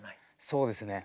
そうですね。